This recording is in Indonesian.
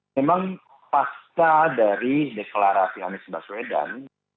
memang pasca dari deklarasi anies baswedan